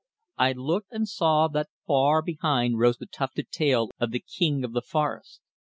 I looked and saw that far behind rose the tufted tail of the king of the forest.